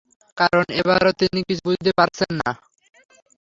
কারণ এবারও তিনি কিছু বুঝতে পারছেন না।